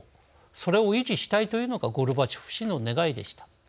それを維持したいというのがゴルバチョフ氏の願いでした。